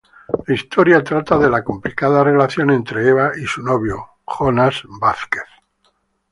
La historia trata de la complicada relación entre Eva y su novio, Jonas Vasquez.